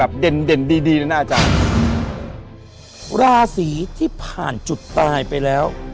เด่นเด่นดีดีนะอาจารย์ราศีที่ผ่านจุดตายไปแล้ว